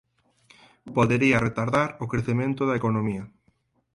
Podería retardar o crecemento da economía